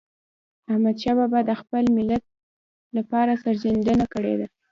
احمدشاه بابا د خپل ملت لپاره سرښندنه کړې ده.